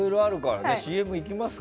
ＣＭいきますか？